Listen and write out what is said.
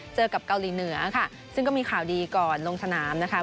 เจอกับเกาหลีเหนือค่ะซึ่งก็มีข่าวดีก่อนลงสนามนะคะ